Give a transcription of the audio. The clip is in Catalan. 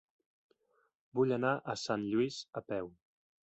Vull anar a Sant Lluís a peu.